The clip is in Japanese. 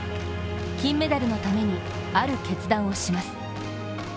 金メダルのために、ある決断をします。